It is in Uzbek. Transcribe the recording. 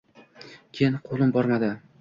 Keyin qo‘lim bormadi